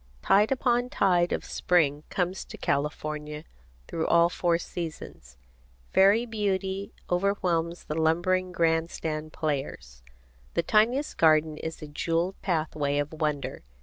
Tide upon tide of Spring comes into California through all four seasons. Fairy beauty overwhelms the lumbering grand stand players. The tiniest garden is a jewelled pathway of wonder.